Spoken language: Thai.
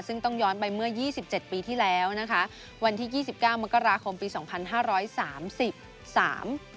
ซึ่งต้องย้อนไปเมื่อยี่สิบเจ็ดปีที่แล้วนะคะวันที่ยี่สิบเก้ามกราคมปีสองพันห้าร้อยสามสิบสาม